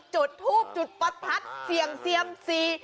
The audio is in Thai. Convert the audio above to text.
จุดภูมิจุดปัดพัดเสียงเซียมซี